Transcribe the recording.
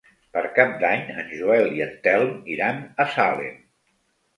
Per Cap d'Any en Joel i en Telm iran a Salem.